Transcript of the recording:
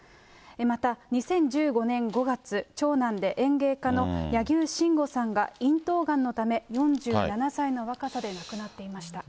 また２０１５年５月、長男で園芸家の柳生真吾さんが咽頭がんのため４７歳の若さで亡く